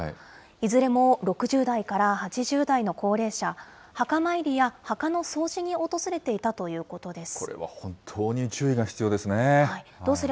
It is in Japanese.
いずれも６０代から８０代の高齢者、墓参りや墓の掃除に訪れていたということです。